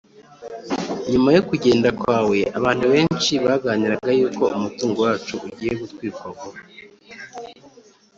nyuma yo kugenda kwawe, abantu benshi baganiraga yuko umudugudu wacu ugiye gutwikwa vuba